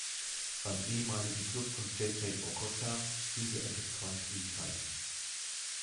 Beim ehemaligen Klub von Jay Jay Okocha spielte er für zwei Spielzeiten.